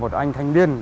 một anh thanh niên